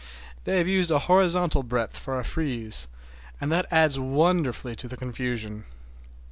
They have used a horizontal breadth for a frieze, and that adds wonderfully to the confusion.